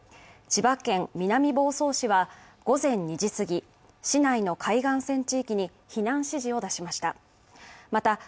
千葉県南房総市は午前２時すぎ、市内の海岸線地域に避難指示を出しました。